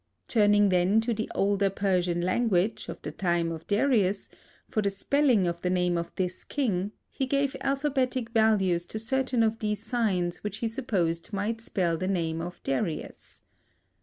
Turning then to the older Persian language, of the time of Darius, for the spelling of the name of this king, he gave alphabetic values to certain of these signs which he supposed might spell the name of Darius.